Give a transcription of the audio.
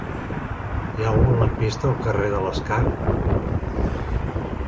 Hi ha algun lampista al carrer de l'Escar?